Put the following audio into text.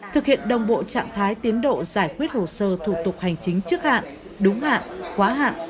thực hiện đồng bộ trạng thái tiến độ giải quyết hồ sơ thủ tục hành chính trước hạn đúng hạn quá hạn